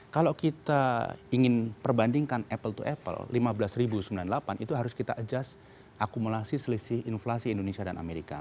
kalau kita ingin perbandingkan apple to apple lima belas sembilan puluh delapan itu harus kita adjust akumulasi selisih inflasi indonesia dan amerika